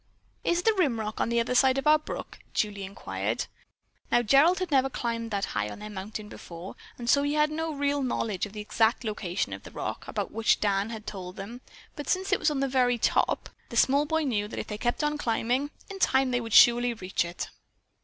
"Is the rim rock on the other side of our brook?" Julie inquired. Now Gerald had never climbed that high on their mountain before, and so he had no real knowledge of the exact location of the rock about which Dan had told them, but since it was on the very top, the small boy knew that if they kept on climbing, in time they would surely reach it.